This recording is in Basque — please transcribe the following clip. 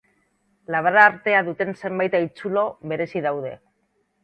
Labar-artea duten zenbait haitzulo berezi daude.